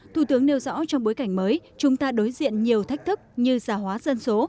thủ tướng nêu rõ trong bối cảnh mới chúng ta đối diện nhiều thách thức như giả hóa dân số